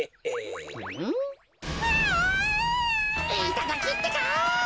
いただきってか。